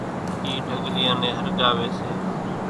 اِِي ڍڳليان نين ۿرڳاوي سي،